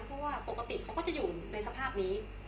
เพราะว่าปกติเขาก็จะอยู่ในสภาพนี้